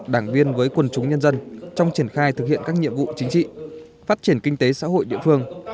đảng viên với quần chúng nhân dân trong triển khai thực hiện các nhiệm vụ chính trị phát triển kinh tế xã hội địa phương